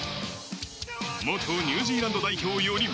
元ニュージーランド代表４人。